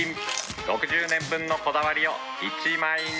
６０年分のこだわりを１枚に。